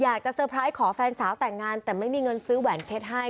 เซอร์ไพรส์ขอแฟนสาวแต่งงานแต่ไม่มีเงินซื้อแหวนเพชรให้